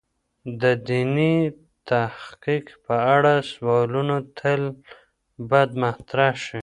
د دیني تحقیق په اړه سوالونه تل باید مطرح شی.